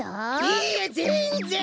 いいえぜんぜん！